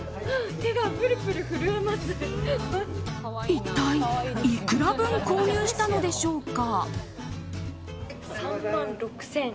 一体いくら分購入したのでしょうか。